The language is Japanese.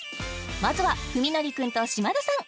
まずは史記君と島田さん